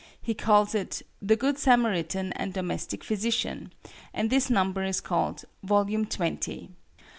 He calls it "The Good Samaritan and Domestic Physician," and this number is called "volume twenty."